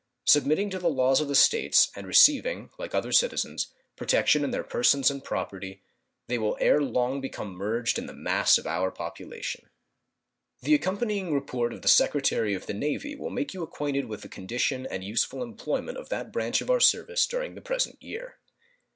Submitting to the laws of the States, and receiving, like other citizens, protection in their persons and property, they will ere long become merged in the mass of our population. The accompanying report of the Secretary of the Navy will make you acquainted with the condition and useful employment of that branch of our service during the present year.